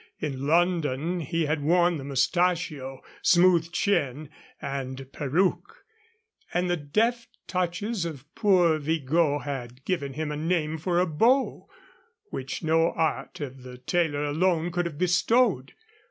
In London he had worn the mustachio, smooth chin, and perruque; and the deft touches of poor Vigot had given him a name for a beau which no art of the tailor alone could have bestowed.